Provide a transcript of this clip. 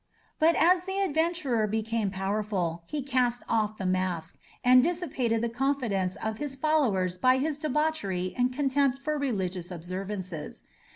But as the adventurer became powerful, he cast off the mask, and dissipated the confidence of his followers by his debauchery and contempt for religious observances.